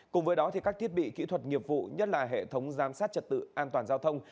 cùng với đó các thiết bị kỹ thuật nghiệp vụ nhất là hệ thống giám sát trật tự an toàn giao thông